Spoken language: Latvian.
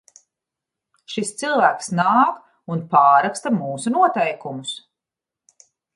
Šis cilvēks nāk un pārraksta mūsu noteikumus!